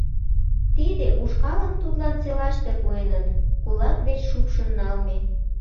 Тиде ушкалым тудлан селаште пуэныт, кулак деч шупшын налме.